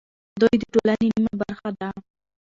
دوی د ټولنې نیمه برخه ده.